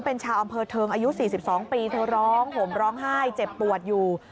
เป็นชาวอำเภอเทิงอายุ๔๒ปีเธอร้องห่มร้องไห้เจ็บปวดอยู่